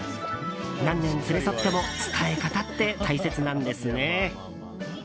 何年連れ添っても伝え方って大切なんですね。